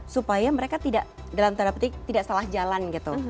supaya mereka tidak dalam tanda petik tidak salah jalan gitu